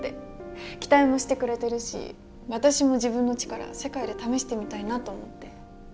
期待もしてくれてるし私も自分の力世界で試してみたいなと思って。